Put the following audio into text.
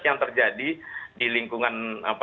yang terjadi di lingkungan